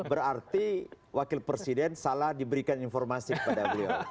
berarti wakil presiden salah diberikan informasi kepada beliau